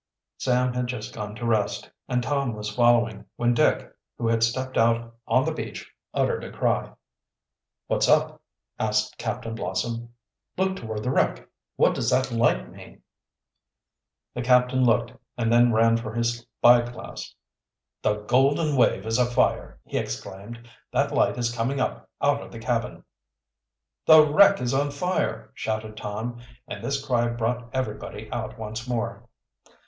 Sam had just gone to rest, and Tom was following, when Dick, who had stepped out on the beach, uttered a cry. "What's up?" asked Captain Blossom. "Look toward the wreck. What does that light mean?" The captain looked, and then ran for his spy glass. "The Golden Wave is afire!" he exclaimed. "That light is coming up out of the cabin!" "The wreck is on fire!" shouted Tom, and this cry brought everybody out once more.